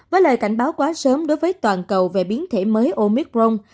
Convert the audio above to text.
với lời cảnh báo quá sớm đối với toàn cầu về biến thể mới omicron